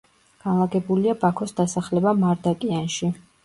განლაგებულია ბაქოს დასახლება მარდაკიანში.